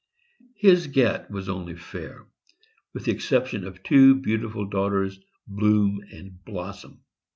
His get was only fair, with the excep tion of two beautiful daughters, Bloom and Blossom.